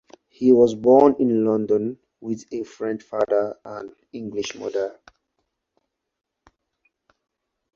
He was born in London, with a French father and English mother.